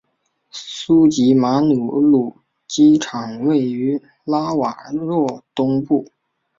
苏吉马努鲁机场位于拉瓦若东部。